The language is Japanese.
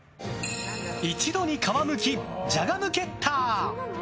一度に皮むきじゃがむけったー！